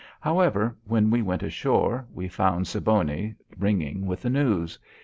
However, when we went ashore, we found Siboney ringing with the news.